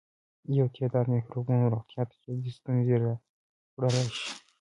یو تعداد مکروبونه روغتیا ته جدي ستونزې راولاړولای شي.